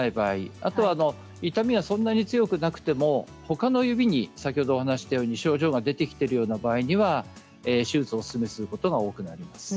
あと痛みがそんなに強くなくてもほかの指に、症状が出てきているような場合には手術をおすすめすることが多くなります。